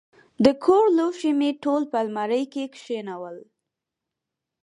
د کور لوښي مې ټول په المارۍ کې کښېنول.